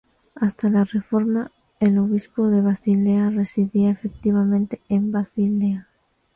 Hasta la reforma el obispo de Basilea residía efectivamente en Basilea.